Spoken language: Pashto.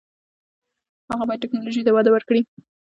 هغوی باید ټیکنالوژي ته وده ورکړي.